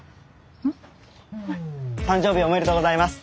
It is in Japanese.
誕生日おめでとうございます。